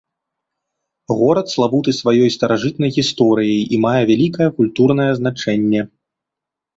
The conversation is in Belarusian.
Горад славуты сваёй старажытнай гісторыяй і мае вялікае культурнае значэнне.